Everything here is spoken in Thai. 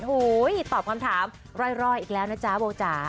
ตอบคำถามรอยอีกแล้วนะจ๊ะโบจ๋า